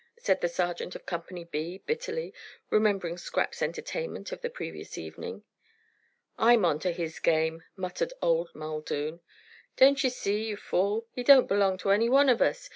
said the sergeant of Company B, bitterly, remembering Scrap's entertainment of the previous evening. "I'm on to his game!" muttered old Muldoon. "Don't ye see, ye fool, he don't belong to any wan of us.